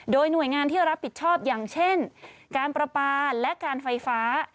โดยหน่วยงานที่รับผิดชอบอย่างเช่นการประปาและการไฟฟ้า